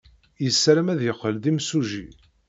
Yessaram ad yeqqel d imsujji.